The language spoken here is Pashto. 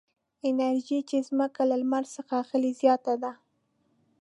انرژي چې ځمکه له لمر څخه اخلي زیاته ده.